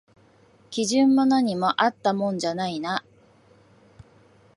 基準も何もあったもんじゃないな